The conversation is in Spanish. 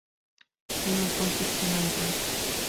Si no hay conflicto no hay drama.